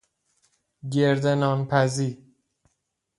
گرد نان پزی